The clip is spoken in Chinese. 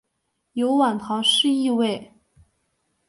有晚唐诗意味。